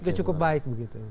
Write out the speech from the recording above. sudah cukup baik begitu